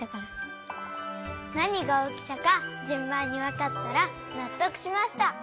なにがおきたかじゅんばんにわかったらなっとくしました。